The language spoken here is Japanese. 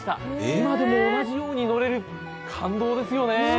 今でも同じように乗れる、感動ですよね。